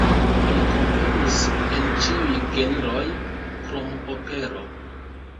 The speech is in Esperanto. Li komponis en ĉiuj genroj krom opero.